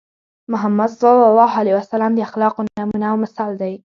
محمد ص د اخلاقو نمونه او مثال دی.